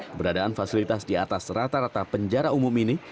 keberadaan fasilitas di atas rata rata penjara umum ini